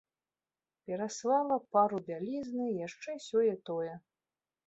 Пераслала пару бялізны і яшчэ сёе-тое.